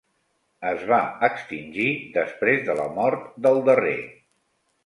Es va extingir després de la mort del darrer.